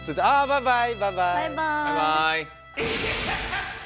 バイバイ。